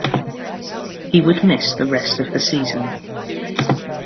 He would miss the rest of the season.